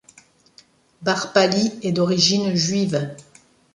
Bar Paly est d'origine juive.